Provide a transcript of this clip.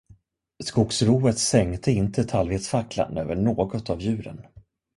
Skogsrået sänkte inte tallvedsfacklan över något av djuren.